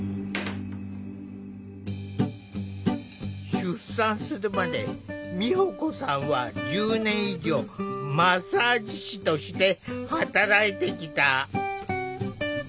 出産するまで美保子さんは１０年以上マッサージ師として働いてきた。